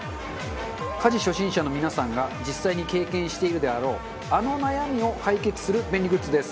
家事初心者の皆さんが実際に経験しているであろうあの悩みを解決する便利グッズです。